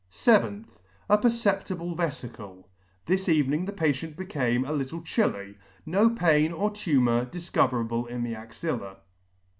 7th. A perceptible veficle : this evening the patient became a little chilly: no pain or tumour difcoverable in the axilla.